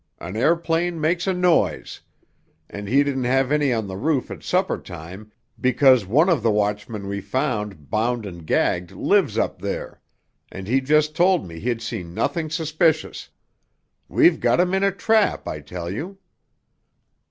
An aëroplane makes a noise. And he didn't have any on the roof at supper time, because one of the watchmen we found bound and gagged lives up there, and he just told me he'd seen nothing suspicious. We've got him in a trap, I tell you."